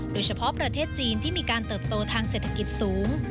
โดยเฉพาะประเทศจีนที่มีการเติบโตทางเศรษฐกิจสูง